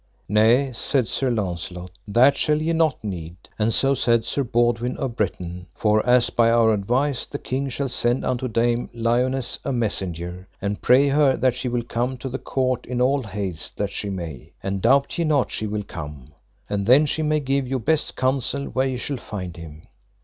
Nay, said Sir Launcelot, that shall ye not need; and so said Sir Baudwin of Britain: for as by our advice the king shall send unto Dame Lionesse a messenger, and pray her that she will come to the court in all the haste that she may, and doubt ye not she will come; and then she may give you best counsel where ye shall find him.